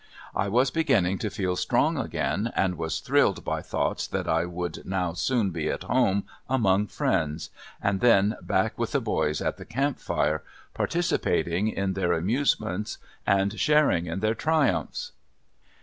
I was beginning to feel strong again, and was thrilled by thoughts that I would now soon be at home among friends, and then back with the boys at the camp fire, participating in their amusements and sharing in their triumphs.